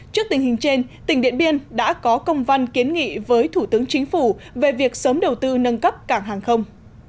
trước tình hình trên tỉnh điện biên đã có công văn kiến nghị với thủ tướng chính phủ về việc sớm đầu tư nâng cấp cảng hàng không